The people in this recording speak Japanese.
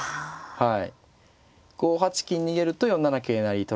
はい。